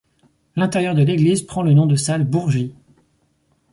L'intérieur de l'église prend le nom de salle Bourgie.